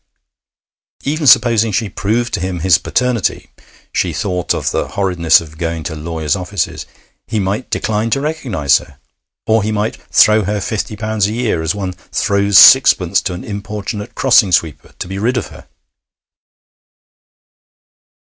Even supposing she proved to him his paternity she thought of the horridness of going to lawyers' offices he might decline to recognise her. Or he might throw her fifty pounds a year, as one throws sixpence to an importunate crossing sweeper, to be rid of her.